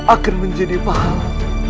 akan menjadi pahala